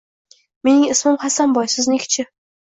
Mening ismim Hasanboy, sizniki-chi